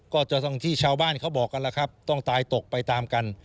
ก็จะต้องที่ชาวบ้านเขาบอกกันแล้วครับต้องตายตกไปตามกัน